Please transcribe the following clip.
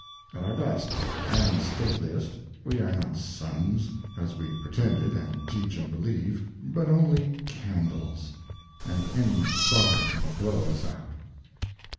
At our best and stateliest we are not suns, as we pretended, and teach, and believe, but only candles; and any bummer can blow us out.